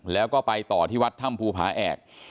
แล้วก็ไปต่อที่วัดถ้ำภูผาแอก